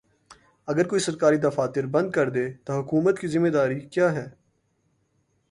اگر کوئی سرکاری دفاتر بند کردے تو حکومت کی ذمہ داری کیا ہے؟